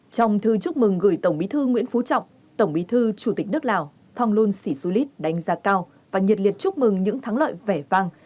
trong thư chúc mừng gửi tổng bí thư nguyễn phú trọng tổng bí thư chủ tịch nước lào thonglun sỉ xu lít đánh giá cao và nhiệt liệt chúc mừng những thắng lợi vẻ vang